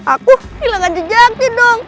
aku hilangkan jejaknya dong